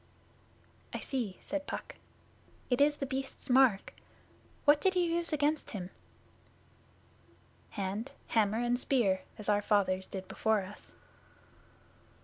'I see,' said Puck. 'It is The Beast's mark. What did you use against him?' 'Hand, hammer, and spear, as our fathers did before us.